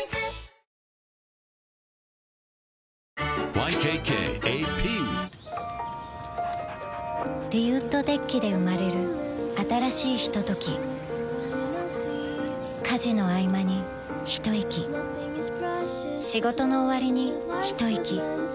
ＹＫＫＡＰリウッドデッキで生まれる新しいひととき家事のあいまにひといき仕事のおわりにひといき